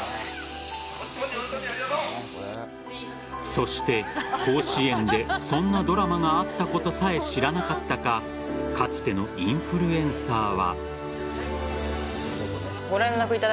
そして、甲子園でそんなドラマがあったことさえ知らなかったかかつてのインフルエンサーは。